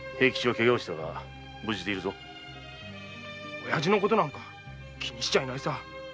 おやじのことなんか気にしちゃいないさ。